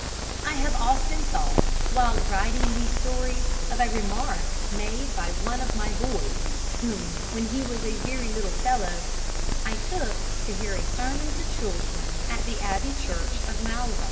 I have often thought, while writing these stories, of a remark made by one of my boys, whom, when he was a very little fellow, I took to hear a sermon to children at the Abbey Church of Malvern.